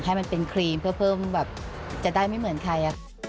ให้มันเป็นครีมเพื่อเพิ่มแบบจะได้ไม่เหมือนใคร